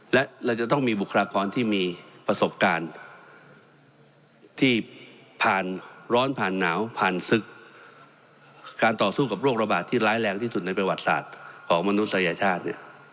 และเราจะต้องมีบุคลากรที่มีประสบการณ์ที่ผ่านร้อนผ่านหนาวผ่านศึกการต่อสู้กับโรคระบาดที่ร้ายแรงที่สุดในประวัติศาสตร์ของมนุษยชาติ